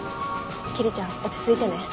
桐ちゃん落ち着いてね。